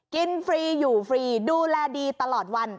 ฟรีอยู่ฟรีดูแลดีตลอดวัน